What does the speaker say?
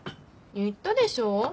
言ったでしょ？